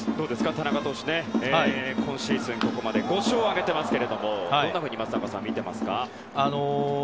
田中投手は今シーズンここまで５勝を挙げていますがどんなふうに松坂さんは見ていますか？